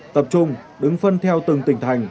tập trung đứng phân theo từng tỉnh thành